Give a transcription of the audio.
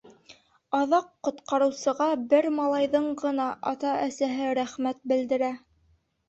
Аҙаҡ ҡотҡарыусыға бер малайҙың ғына ата-әсәһе рәхмәт белдерә.